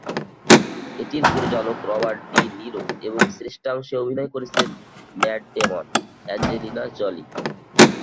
এটির পরিচালক Robert De Niro এবং শ্রেষ্ঠাংশে অভিনয়ে করেছেন ম্যাট ডেমন, অ্যাঞ্জেলিনা জোলি।